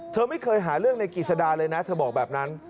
เธอไม่เคยหาเรื่องในกิจสดาเลยนะเธอบอกแบบนั้น